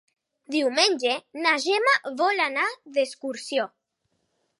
Diumenge na Gemma vol anar d'excursió.